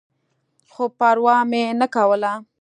خو پروا مې نه کوله.